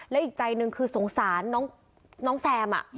และอีกใจหนึ่งคือสงสารน้องแซม